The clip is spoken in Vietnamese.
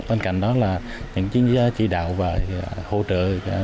bên cạnh đó là những chính gia chỉ đạo và hỗ trợ